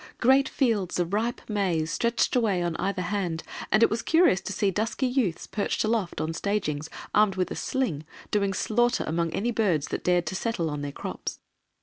Great fields of ripe maize stretched away on either hand, and it was curious to see dusky youths perched aloft on stagings, armed with a sling, doing slaughter among any birds that dared to settle on their crops.